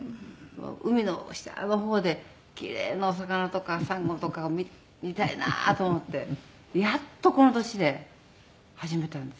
海の下のほうで奇麗なお魚とかサンゴとかを見たいなと思ってやっとこの年で始めたんです。